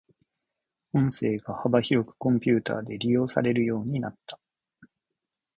音声が幅広くコンピュータで利用されるようになった。